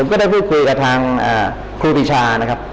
ก็ได้พูดคุยกับทางครูปีชานะครับ